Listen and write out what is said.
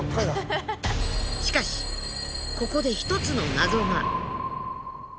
しかしここで１つの謎が。